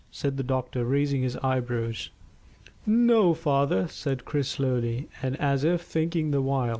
said the doctor, raising his eyebrows. "N no, father," said Chris slowly, and as if thinking the while.